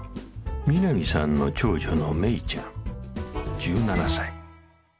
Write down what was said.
南さんの長女の芽衣ちゃん１７歳。